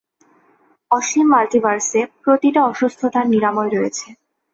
অসীম মাল্টিভার্সে, প্রতিটা অসুস্থতার নিরাময় রয়েছে।